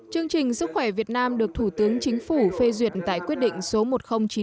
chương trình sức khỏe việt nam được thủ tướng chính phủ phê duyệt tại quyết định số một nghìn chín mươi